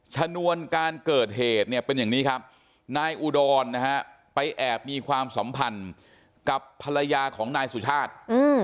ชนวนการเกิดเหตุเนี่ยเป็นอย่างนี้ครับนายอุดรนะฮะไปแอบมีความสัมพันธ์กับภรรยาของนายสุชาติ